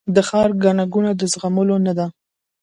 د ښار ګڼه ګوڼه د زغملو نه ده